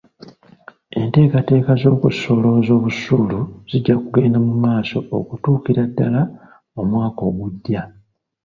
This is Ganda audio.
Enteekateeka z'okusolooza busuulu zijja kugenda mu maaso okutuukira ddala omwaka ogujja.